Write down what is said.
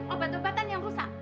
obat obatan yang rusak